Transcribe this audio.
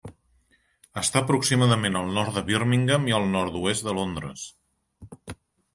Està aproximadament al nord de Birmingham i al nord-oest de Londres.